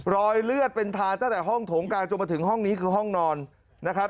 รอยเลือดเป็นทานตั้งแต่ห้องโถงกลางจนมาถึงห้องนี้คือห้องนอนนะครับ